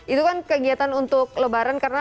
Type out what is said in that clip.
itu kan kegiatan untuk lebaran karena